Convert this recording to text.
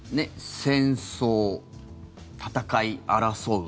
戦争、戦い、争う。